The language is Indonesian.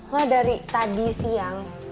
lo dari tadi siang